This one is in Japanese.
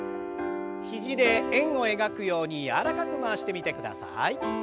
肘で円を描くように柔らかく回してみてください。